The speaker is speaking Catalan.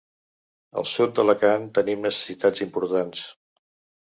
Al sud d’Alacant tenim necessitats importants.